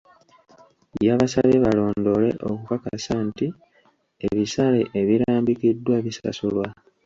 Yabasabye balondoole okukakasa nti ebisale ebirambikiddwa bisasulwa.